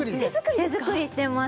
手作りしてます